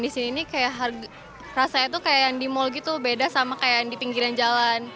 di sini rasanya seperti yang di mall beda dengan di pinggiran jalan